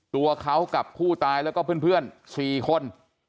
ตัวเขากับผู้ตายแล้วก็เพื่อน๔คน